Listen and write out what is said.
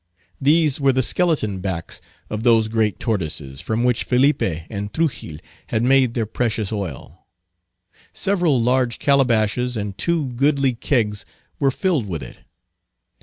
These were the skeleton backs of those great tortoises from which Felipe and Truxill had made their precious oil. Several large calabashes and two goodly kegs were filled with it.